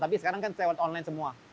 tapi sekarang kan lewat online semua